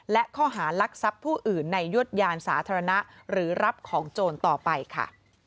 และข้อหารักทรัพย์ผู้อื่นในยวดยานสาธารณะหรือรับของโจรต่อไปค่ะ